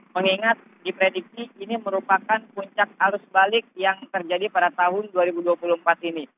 mengingat diprediksi ini merupakan puncak arus balik yang terjadi pada tahun dua ribu dua puluh empat ini